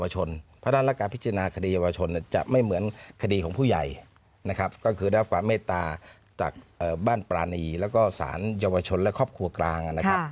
จากบ้านปรานีแล้วก็สารเยาวชนและครอบครัวกลางนะครับ